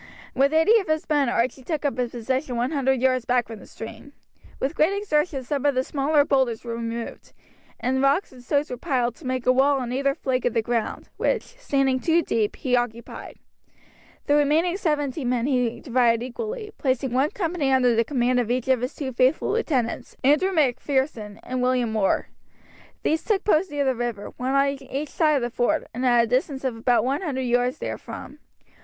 With eighty of his men Archie took up a position one hundred yards back from the stream. With great exertions some of the smaller boulders were removed, and rocks and stones were piled to make a wall on either flank of the ground, which, standing two deep, he occupied. The remaining seventy men he divided equally, placing one company under the command of each of his two faithful lieutenants, Andrew Macpherson and William Orr. These took post near the river, one on each side of the ford, and at a distance of about one hundred yards therefrom.